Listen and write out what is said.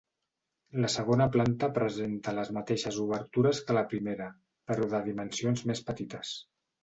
La segona planta presenta les mateixes obertures que la primera, però de dimensions més petites.